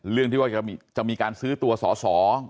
เรื่องที่ว่าจะมีการซื้อตัวสอสอ